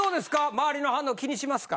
周りの反応気にしますか？